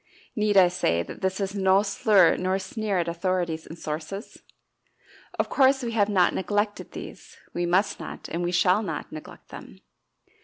Need I say that this is no slur nor sneer at authorities and sources? Of course we have not neglected these we must not, and we shall not, neglect them.